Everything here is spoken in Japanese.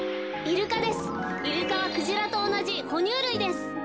イルカはクジラとおなじほにゅうるいです。